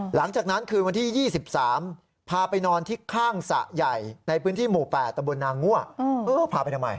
หลังจากนั้นคืนวันที่๒๓พาไปนอนที่ข้างสระใหญ่ในพื้นที่หมู่๘ตำบลนางงั่วพาไปทำไม